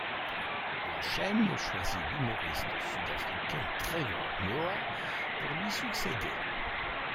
La chaîne choisit l'humoriste sud-africain Trevor Noah pour lui succéder.